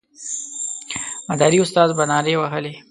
مداري استاد به نارې وهلې.